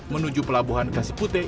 menuju pelabuhan kasipute